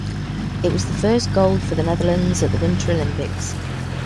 It was the first gold for the Netherlands at the Winter Olympics.